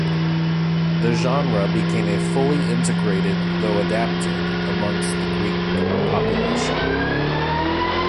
The genre became a fully integrated, though adapted, amongst the Greek population.